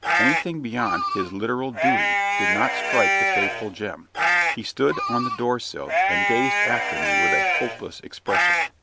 Anything beyond his literal duty did not strike the faithful Jem. He stood on the door sill, and gazed after me with a hopeless expression.